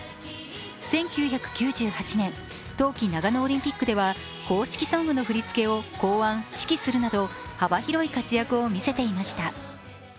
１９９８年冬季長野オリンピックでは公式ソングの振り付けを考案、指揮するなど幅広い活躍をみせていました。